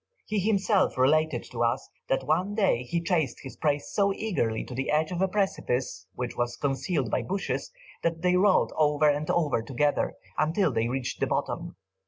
He himself related to us, that one day he chased his prey so eagerly to the edge of a precipice, which was concealed by bushes, that they rolled over and over together, until they reached the bottom.